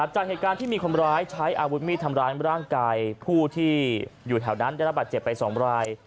จากเหตุการณ์ที่มีคนร้ายใช้อาวุธมีดทำร้ายร่างกายผู้ที่อยู่แถวนั้นได้รับบาดเจ็บไป๒ราย